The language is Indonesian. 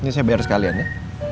nanti saya bayar sekalian ya